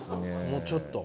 もうちょっと。